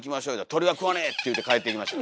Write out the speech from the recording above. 「鳥は食わねえ」って言うて帰っていきました。